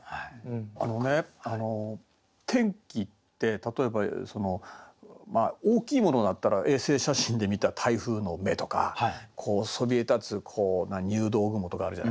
あのね天気って例えば大きいものだったら衛星写真で見た台風の目とかそびえ立つ入道雲とかあるじゃない。